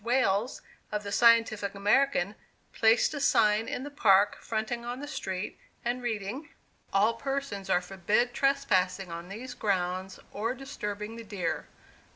Wales, of the Scientific American, placed a sign in the park, fronting on the street, and reading: "ALL PERSONS ARE FORBID TRESPASSING ON THESE GROUNDS, OR DISTURBING THE DEER.